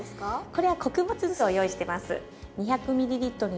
これは穀物酢を用意してます。